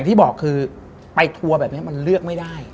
ที่บอกคือไปทัวร์แบบนี้มันเลือกไม่ได้